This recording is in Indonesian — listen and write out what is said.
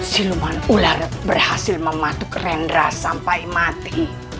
siluman ular berhasil mematuk rendra sampai mati